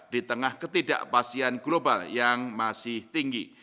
di tengah ketidakpastian global yang masih tinggi